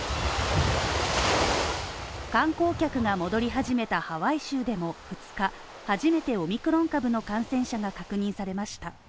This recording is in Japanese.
観光客が戻り始めたハワイ州でも２日、初めてオミクロン株の感染者が確認されました。